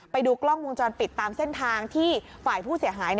ไปดูกล้องวงจรปิดตามเส้นทางที่ฝ่ายผู้เสียหาย